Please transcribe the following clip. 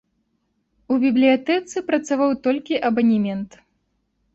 У бібліятэцы працаваў толькі абанемент.